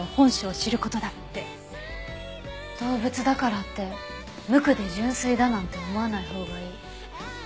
動物だからって無垢で純粋だなんて思わないほうがいい。